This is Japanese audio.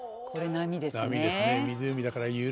波ですね。